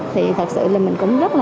thì thật sự là mình cũng rất